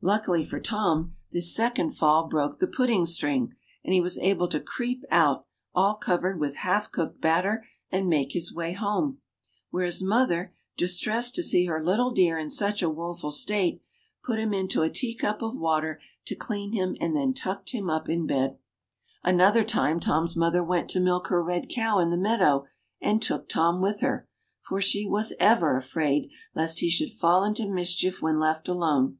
Luckily for Tom, this second fall broke the pudding string and he was able to creep out all covered v/ith half cooked batter, and make his way home, where his mother, distressed to see her little dear in such a woeful state, put him into a teacup of water to clean him and then tucked him up in bed. 2o6 ENGLISH FAIRY TALES Another time Tom's mother went to milk her red cow in the meadow and took Tom with her, for she was ever afraid lest he should fall into mischief when left alone.